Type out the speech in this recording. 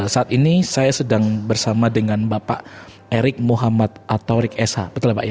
saat ini saya sedang bersama dengan bapak erick muhammad atau erick esa betul ya pak ya